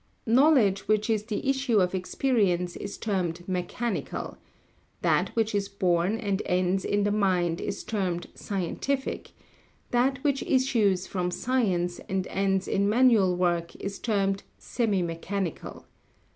Knowledge which is the issue of experience is termed mechanical; that which is born and ends in the mind is termed scientific; that which issues from science and ends in manual work is termed semi mechanical.